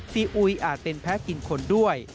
ซีอุยอาจเป็นแพ้กินคนด้วย